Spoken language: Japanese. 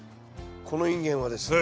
このインゲンはですね